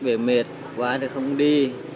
bị mệt quá thì không đi